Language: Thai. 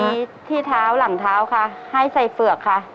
มีที่เท้าหลังเท้าค่ะให้ใส่เฝือกค่ะ